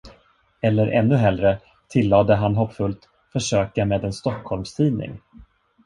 Eller ännu hellre, tillade han hoppfullt, försöka med en stockholmstidning.